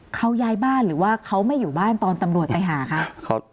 เขาย้ายบ้านหรือว่าเขาไม่อยู่บ้านตอนตำรวจไปหาคะ